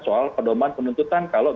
soal pedoman penuntutan kalau